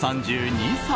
３２歳。